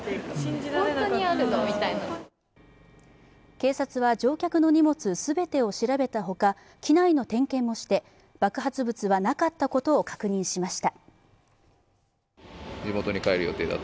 警察は乗客の荷物全てを調べたほか機内の点検もして、爆発物はなかったことを確認しました。